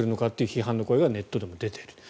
批判の声がネットでも出ている。